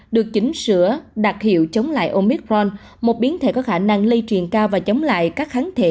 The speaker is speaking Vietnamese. được chỉnh sửa đặc hiệu chống lại omicron một biến thể có khả năng lây truyền cao và chống lại các kháng thể